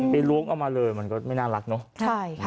ล้วงเอามาเลยมันก็ไม่น่ารักเนาะ